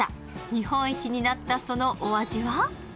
日本一になったそのお味は？